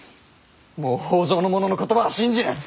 もう北条の者の言葉は信じぬ！